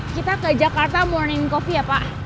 kita ke jakarta morning coffee ya pak